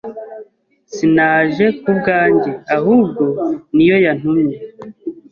Sinaje ku bwanjye, ahubwo ni yo yantumye.